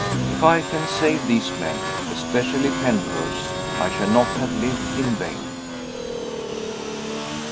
If I can save these men especially Penrose I shall not have lived in vain.